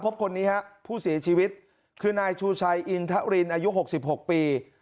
พบคนนี้ฮะผู้ศีลชีวิตคือนายชูชัยอินทะรินอายุหกสิบหกปี